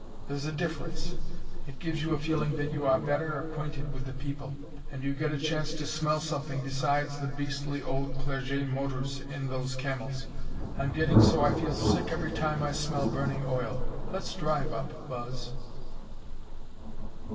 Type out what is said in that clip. There's a difference. It gives you a feeling that you are better acquainted with the people, and you get a chance to smell something besides the beastly old Clerget motors in those Camels. I'm getting so I feel sick every time I smell burning oil. Let's drive up, Buzz."